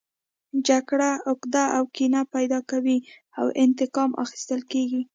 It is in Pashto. جګړه عقده او کینه پیدا کوي او انتقام اخیستل کیږي